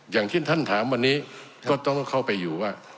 อย่างที่ท่านถามวันนี้ก็ต้องเข้าไปอยู่ว่า